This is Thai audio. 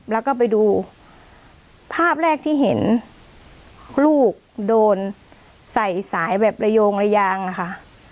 แล้วก็ไปดูภาพแรกที่เห็นลูกโดนใส่สายแบบระโยงระยางนะคะ